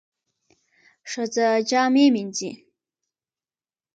ښځه جامې مینځي.